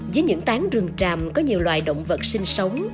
với những tán rừng tràm có nhiều loài động vật sinh sống